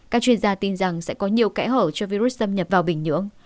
các chuyên gia tin rằng sẽ có nhiều kẽ hở cho virus xâm nhập vào bình nhưỡng